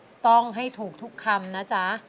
ต้องให้ถูกทุกคำนะจ๊ะ